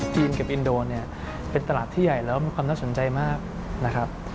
กับอินโดเนี่ยเป็นตลาดที่ใหญ่แล้วมีความน่าสนใจมากนะครับ